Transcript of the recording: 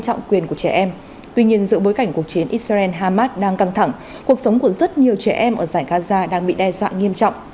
tôn trọng quyền của trẻ em tuy nhiên dựa bối cảnh cuộc chiến israel harmat đang căng thẳng cuộc sống của rất nhiều trẻ em ở giải gaza đang bị đe dọa nghiêm trọng